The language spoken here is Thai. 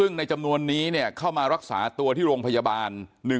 ซึ่งในจำนวนนี้เข้ามารักษาตัวที่โรงพยาบาล